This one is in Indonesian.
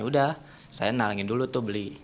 udah saya nalangin dulu tuh beli